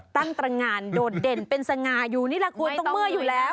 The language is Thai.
ตั้งตรงานโดดเด่นเป็นสง่าอยู่นี่แหละคุณต้องเมื่ออยู่แล้ว